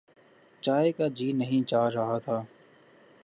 چائے کا جی نہیں چاہ رہا تھا۔